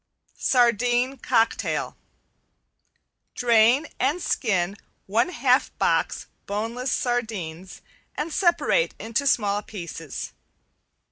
~SARDINE COCKTAIL~ Drain and skin one half box boneless sardines and separate into small pieces.